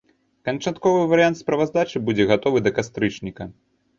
Канчатковы варыянт справаздачы будзе гатовы да кастрычніка.